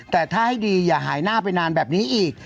แต่ถ้าให้ดีอย่าหายหน้าไปนานแบบนี้อีก